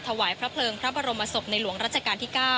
ถวายพระเพลิงพระบรมศพในหลวงรัชกาลที่๙